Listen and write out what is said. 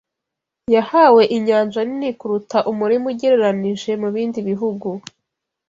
Yahawe inyanja nini kuruta umurima ugereranije mubindi bihugu